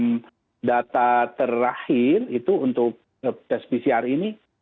dengan data terakhir itu untuk tes pcr ini